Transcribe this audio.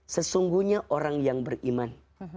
sesungguhnya orang yang beriman